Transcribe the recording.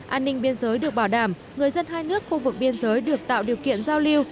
an ninh biên giới được bảo đảm người dân hai nước khu vực biên giới được tạo điều kiện giao lưu